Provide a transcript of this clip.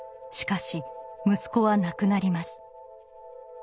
しかし息子は亡くなります。